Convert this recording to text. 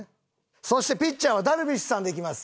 そしてピッチャーはダルビッシュさんでいきます。